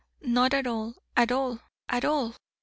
Not at all, at all, at all!